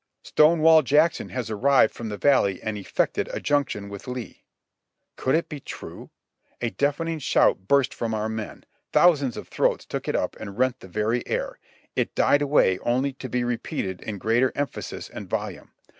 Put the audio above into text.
"Stonewall Jackson has arrived from the Valley and eft'ected a junction with Lee." Could it be true? A deafening shout burst from our men; thousands of throats took it up and rent the very air ; it died away only to be repeated in greater emphasis and volume.